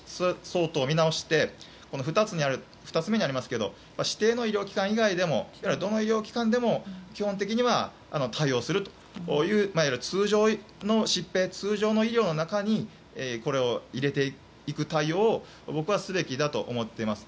なので、ここで見直して指定の医療機関以外でもどの医療機関でも基本的には対応するという通常の疾病通常の医療の中にこれを入れていく対応を僕はすべきだと思っています。